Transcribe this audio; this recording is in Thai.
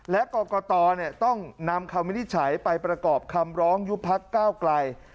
และกรกตต้องนำคำวินิจฉัยไปประกอบคำร้องยุบพักก้าวไกล